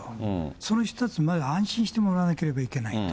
その人たちみんなに安心してもらわなきゃいけないと。